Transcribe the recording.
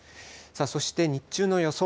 そして日中の予想